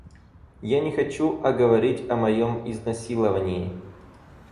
Я не хочу о говорить о моём изнасиловании.